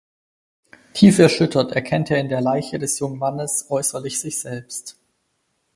Tief erschüttert erkennt er in der Leiche des jungen Mannes äußerlich sich selbst.